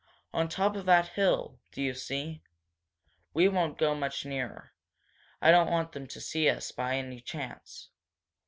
On top of that hill, do you see? We won't go much nearer. I don't want them to see us, by any chance.